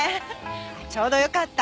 ちょうどよかった。